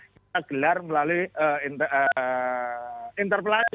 kita gelar melalui interpelasi